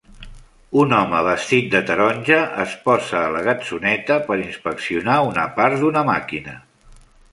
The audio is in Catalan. Un home vestit de taronja es posa a la gatzoneta per inspeccionar una part d'una màquina.